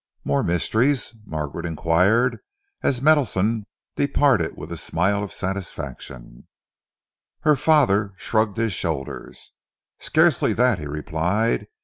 "More mysteries?" Margaret enquired, as Meadowson departed with a smile of satisfaction. Her father shrugged his shoulders. "Scarcely that," he replied.